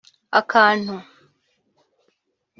akantu